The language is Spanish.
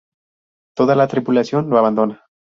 Toda la tripulación lo abandona.